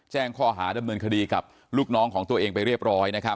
แจ้งข้อหาดำเนินคดีกับลูกน้องของตัวเองไปเรียบร้อย